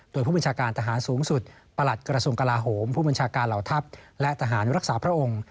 โดยผู้บัญชาการทหารสูงสุดประหลัดกระทรวงกลาโหมผู้บัญชาการเหล่าทัพและทหารรักษาพระองค์